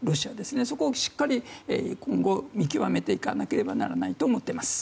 そこをしっかり、今後見極めていかなければいけないと思っています。